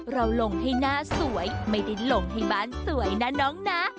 เราลงให้หน้าสวยไม่ได้ลงให้บ้านสวยนะน้องนะ